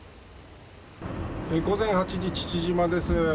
午前８時、父島です。